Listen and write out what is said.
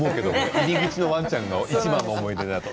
入り口のワンちゃんが福島の思い出って。